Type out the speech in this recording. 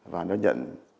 và nó nhận